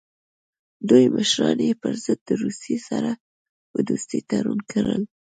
دوی مشران یې پر ضد د روسیې سره په دوستۍ تورن کړل.